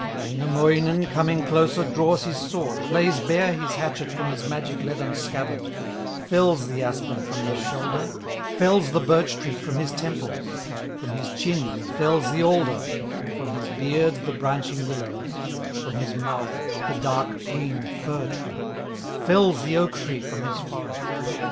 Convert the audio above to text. Wainamoinen, coming closer, Draws his sword, lays bare his hatchet From his magic leathern scabbard, Fells the aspen from his shoulder, Fells the birch tree from his temples, From his chin he fells the alder, From his beard, the branching willows, From his mouth the dark green fir tree, Fells the oak tree from his forehead.